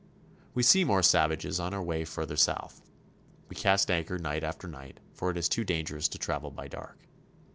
We see more savages on our way farther south. We cast anchor night after night, for it is too dangerous to travel by dark.